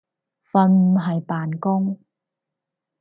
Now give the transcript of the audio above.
瞓唔係扮工